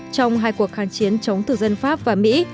trong hai cuộc kháng chiến chống từ dân pháp và mỹ